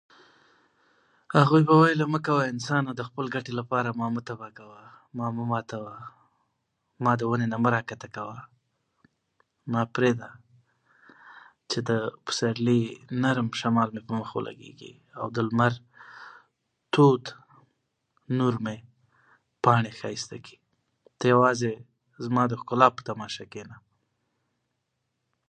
په پسرلي کې د افغانستان اکثره ځايونه ښېرازه کيږي.